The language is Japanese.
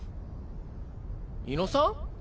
猪野さん？